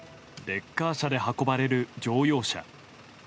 レッカー車で運ばれる乗用車。